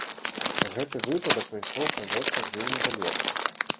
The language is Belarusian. Гэты выпадак пайшоў па вёсках вельмі далёка.